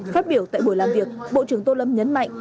phát biểu tại buổi làm việc bộ trưởng tô lâm nhấn mạnh